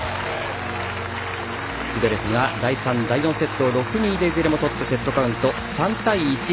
ズベレフが第３、第４セットを６−２で、いずれも取ってセットカウント３対１。